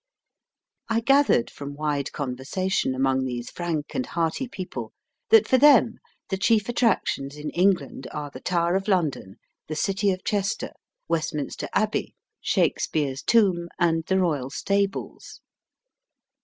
I gathered from wide conversation among these frank and hearty people that for them the chief attractions in England are the Tower of London, the city of Chester, Westminster Abbey, Shakespeare's Tomb, and the Eoyal Stables.